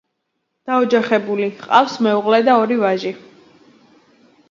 დაოჯახებული, ჰყავს მეუღლე და ორი ვაჟი.